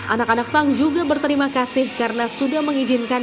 anak anak punk juga berterima kasih karena sudah mengizinkan